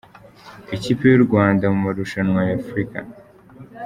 Ikipe yu Rwanda mu marushanwa ya African